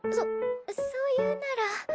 そそう言うなら。